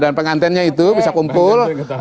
dan pengantinnya itu bisa kumpul